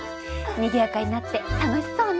にぎやかになって楽しそうね。